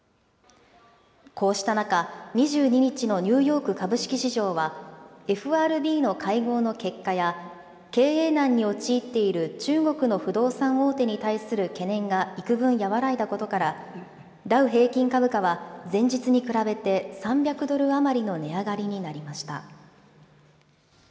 こうした中、２２日のニューヨーク株式市場は、ＦＲＢの会合の結果や、経営難に陥っている中国の不動産大手に対する懸念がいくぶん和らいだことから、ダウ平均株価は、前日に比べて３００ドル余りの値上がりになりました。